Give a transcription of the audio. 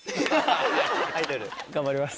頑張ります。